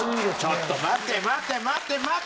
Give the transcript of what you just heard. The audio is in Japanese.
ちょっと待て待て待て待て！